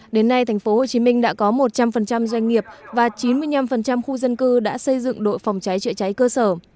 đến nay thành phố hồ chí minh đã có một trăm linh doanh nghiệp và chín mươi năm khu dân cư đã xây dựng đội phòng cháy chữa cháy cơ sở